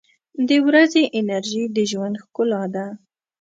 • د ورځې انرژي د ژوند ښکلا ده.